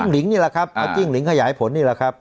หลิงนี่แหละครับเอาจิ้งหลิงขยายผลนี่แหละครับ